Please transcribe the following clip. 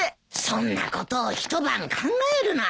そんなことを一晩考えるな！